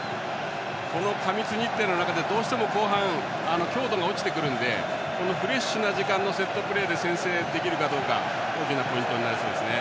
過密日程の中でどうしても後半強度が落ちてくるのでこのフレッシュな時間のセットプレーで得点するかが大きなポイントになりそうですね。